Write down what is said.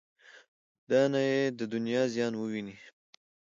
دا نه یې دنیا زیان وویني.